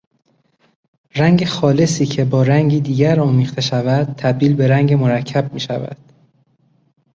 رنگ خالصی که بارنگی دیگر آمیخته شود تبدیل به رنگ مرکب میشود.